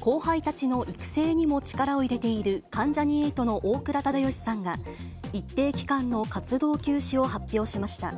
後輩たちの育成にも力を入れている、関ジャニ∞の大倉忠義さんが、一定期間の活動休止を発表しました。